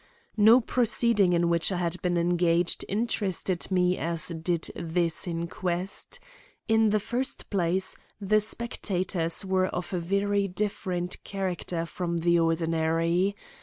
No proceeding in which I had ever been engaged interested me as did this inquest. In the first place, the spectators were of a very different character from the ordinary.